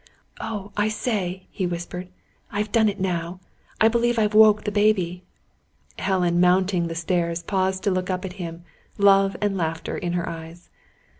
"Oh, I say!" he whispered. "I've done it now! I believe I've woke the baby!" Helen, mounting the stairs, paused to look up at him, love and laughter in her eyes.